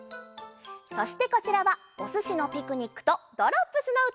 そしてこちらは「おすしのピクニック」と「ドロップスのうた」。